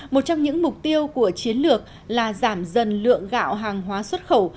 một trong những mục tiêu của chiến lược là giảm dần lượng gạo hàng hóa xuất khẩu